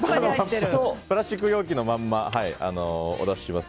プラスチック容器のままお出しします。